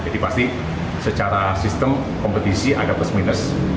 jadi pasti secara sistem kompetisi ada plus minus